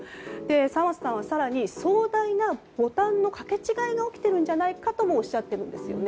沢松さんは壮大なボタンの掛け違いが起きているんじゃないかともおっしゃっているんですよね。